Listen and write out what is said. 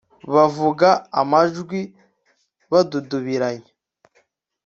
bavuga amanjwe badudubiranya